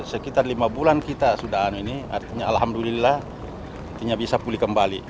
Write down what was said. sekitar lima bulan kita sudah ini artinya alhamdulillah intinya bisa pulih kembali